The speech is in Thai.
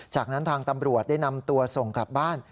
จากนั้นทางตำรวจได้นำตัวส่งกลับบ้าน